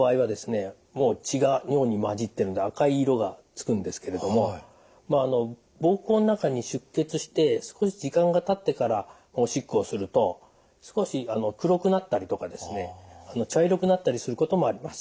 もう血が尿に混じってるので赤い色がつくんですけれども膀胱の中に出血して少し時間がたってからおしっこをすると少し黒くなったりとかですね茶色くなったりすることもあります。